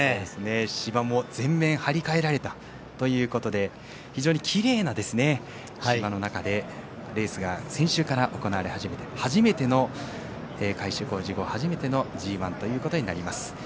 芝も全面張り替えられたということで非常にきれいな芝の中でレースが先週から行われている中で改修工事後初めてのＧＩとなります。